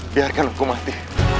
biarkan aku mati